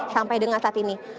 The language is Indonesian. sampai dengar saat ini